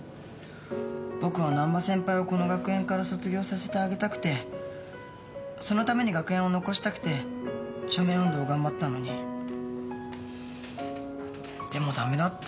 僕は難波先輩をこの学園から卒業させてあげたくてそのために学園を残したくて署名運動頑張ったのにでも駄目だった。